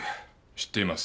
知っています。